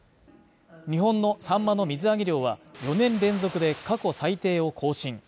日本のサンマの水揚げ量は４年連続で過去最低を更新。